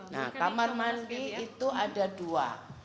nah kamar mandi itu ada dua